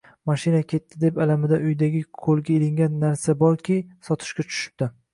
Mashina ketdi deb alamidan uydagi qo`lga ilingan narsaki bor, sotishga tushibdi